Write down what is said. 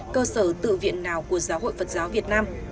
cơ sở tự viện nào của giáo hội phật giáo việt nam